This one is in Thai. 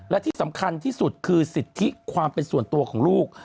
และที่สำคัญที่สุดคือสิทธิความเป็นส่วนตัวของลูก